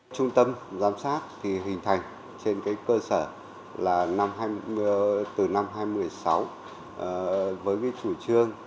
trung tâm giám sát thì hình thành trên cơ sở là từ năm hai nghìn một mươi sáu với chủ trương